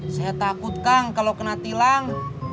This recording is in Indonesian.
saya takut kang kalau kena tilang